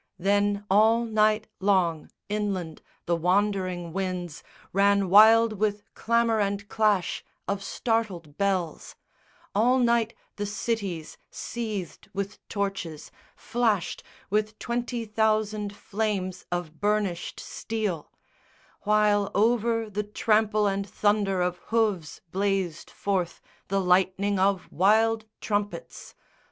Then all night long, inland, the wandering winds Ran wild with clamour and clash of startled bells; All night the cities seethed with torches, flashed With twenty thousand flames of burnished steel; While over the trample and thunder of hooves blazed forth The lightning of wild trumpets.